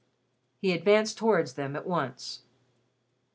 He advanced towards them at once.